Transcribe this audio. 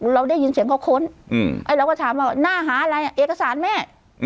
เราได้ยินเสียงเขาค้นเราก็ถามว่าหน้าหาอะไรเอกสารแม่